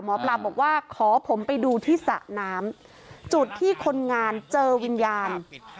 หมอปลาบอกว่าขอผมไปดูที่สระน้ำจุดที่คนงานเจอวิญญาณ